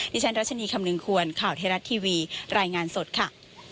ดิฉันรัชนีคำนึงควรข่าวไทยรัฐทีวีรายงานสดค่ะ